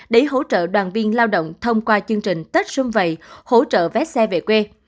để hỗ trợ đoàn viên lao động thông qua chương trình tết xuân vầy hỗ trợ vé xe về quê